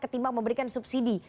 ketimbang memberikan subsidi